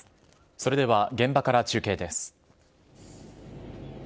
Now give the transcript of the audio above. それでは現場から中継です。